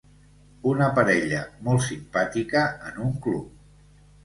Una parella molt simpàtica en un club